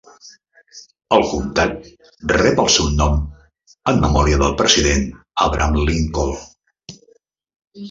El comtat rep el seu nom en memòria del president Abraham Lincoln.